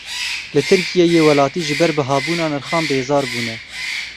Li Tirkiyeyê welatî ji ber bihabûna nirxan bêzar bûne.